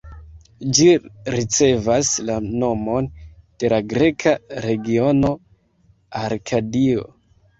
Ĝi ricevas la nomon de la greka regiono Arkadio.